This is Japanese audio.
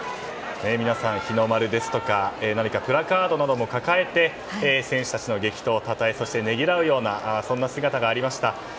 皆さん、日の丸ですとか何かプラカードなども掲げて選手たちの激闘をたたえねぎらうようなそんな姿がありました。